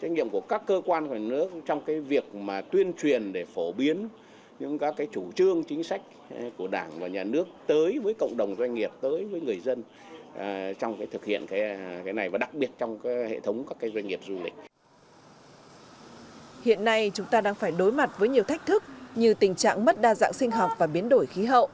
hiện nay chúng ta đang phải đối mặt với nhiều thách thức như tình trạng mất đa dạng sinh học và biến đổi khí hậu